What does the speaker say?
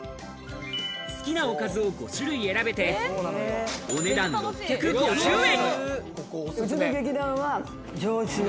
好きなおかずを５種類選べて、お値段６５０円。